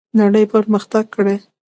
نړۍ پرمختګ کړی.